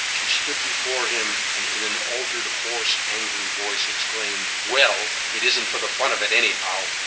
She stood before him and in an altered, hoarse, angry voice exclaimed: "Well, it isn't for the fun of it, anyhow!"